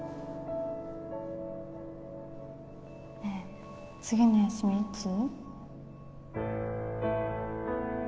ねえ次の休みいつ？